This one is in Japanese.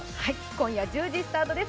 今夜１０時スタートです。